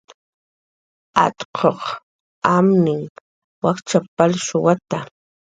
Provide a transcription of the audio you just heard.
"Atquq amninhan wakchap"" palshuwata"